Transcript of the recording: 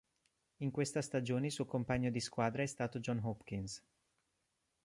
In questa stagione il suo compagno di squadra è stato John Hopkins.